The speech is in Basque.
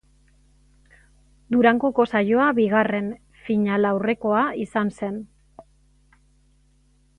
Durangoko saioa bigarren finalaurrekoa izan zen.